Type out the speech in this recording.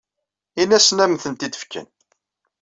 Ini-asen ad am-tent-id-fken.